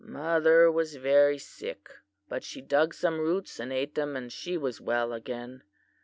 Mother was very sick, but she dug some roots and ate them and she was well again.